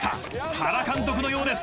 原監督のようです］